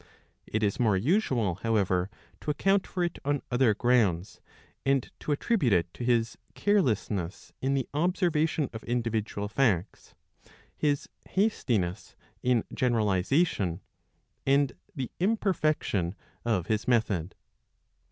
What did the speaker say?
It is more usual, )rowever, to account for it on other grounds, and to attwLute it to hil]<iarelessness in the observation of individual facts, hisJbastiness in geaeralisation. and the 3^mperfection of his method.